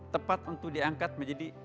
tepat untuk diangkat menjadi